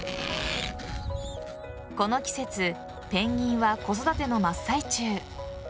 この季節ペンギンは子育ての真っ最中。